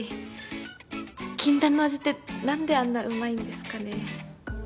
禁断の味ってなんであんなうまいんですかね？